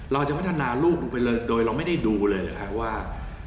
เราจะพัฒนาลูกไปโดยไม่กันดูแล้วว่า